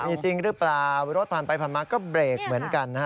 มีจริงหรือเปล่ารถผ่านไปผ่านมาก็เบรกเหมือนกันนะฮะ